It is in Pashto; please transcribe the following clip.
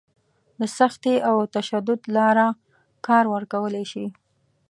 د سختي او تشدد لاره کار ورکولی شي.